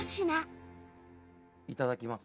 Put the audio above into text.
いただきます。